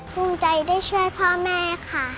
ภูมิใจได้ช่วยพ่อแม่ค่ะ